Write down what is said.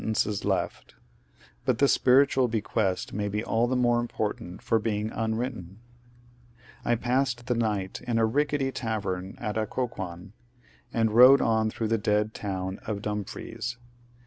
MASON WEEMS 95 senteDoe is left But the spiritaal bequest may be all the more important for being unwritten. I passed the night in a rickety tavem at Occoquan, and rode on through the dead town of Dumfries.